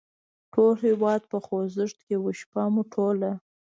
ټول هېواد په خوځښت کې و، شپه مو ټوله.